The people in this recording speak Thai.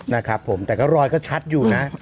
นะครับผมแต่ก็รอยก็ชัดอยู่นะ